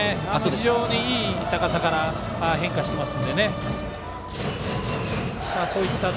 非常にいい高さから変化しています。